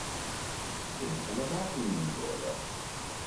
Viene dalla base in Mongolia.